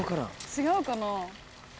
違うかな？